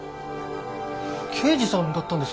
刑事さんだったんですか？